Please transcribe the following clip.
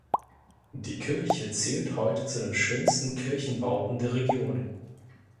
Die Kirche zählt heute zu den schönsten Kirchenbauten der Region.